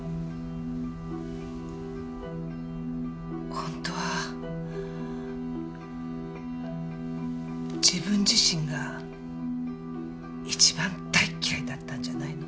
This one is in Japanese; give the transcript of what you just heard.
本当は自分自身が一番大嫌いだったんじゃないの？